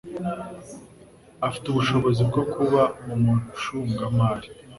Afite ubushobozi bwo kuba umucungamari.